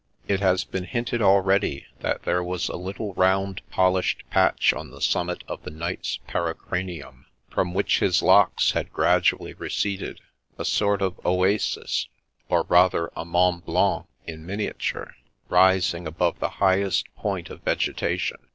It has been hinted already that there was a little round polished patch on the summit of the knight's pericranium, from which his locks had gradually receded ; a sort of oasis, — or rather a Mont Blanc in miniature, rising above the highest point of vegetation.